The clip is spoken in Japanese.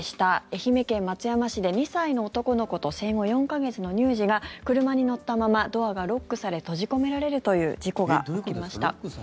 愛媛県松山市で２歳の男の子と生後４か月の乳児が車に乗ったままドアがロックされ閉じ込められるという事故が起きました。